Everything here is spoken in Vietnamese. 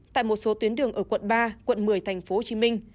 tại một số tuyến đường ở quận ba quận một mươi tp hcm